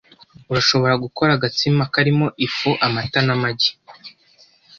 Urashobora gukora agatsima karimo ifu, amata n'amagi .